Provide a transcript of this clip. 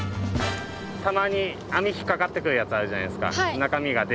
たまに網引っ掛かってくるやつあるじゃないですか。